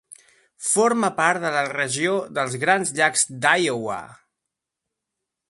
Forma part de la regió dels Grans Llacs d'Iowa.